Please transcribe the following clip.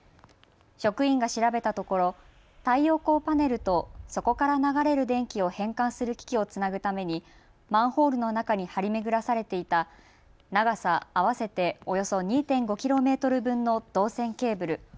職員が調べたところ太陽光パネルとそこから流れる電気を変換する機器をつなぐためにマンホールの中に張り巡らされていた長さ合わせておよそ２．５ｋｍ分の銅線ケーブル